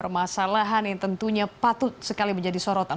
permasalahan yang tentunya patut sekali menjadi sorotan